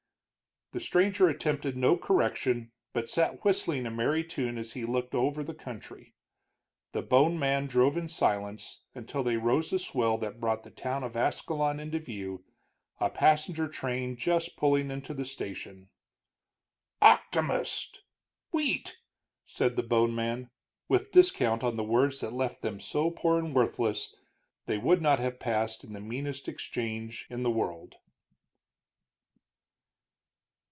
The stranger attempted no correction, but sat whistling a merry tune as he looked over the country. The bone man drove in silence until they rose a swell that brought the town of Ascalon into view, a passenger train just pulling into the station. "Octomist! Wheat!" said the bone man, with discount on the words that left them so poor and worthless they would not have passed in the meanest exchange in the world.